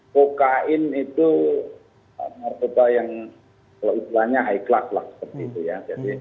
kokain itu narkoba yang kalau utuhannya high class lah seperti itu ya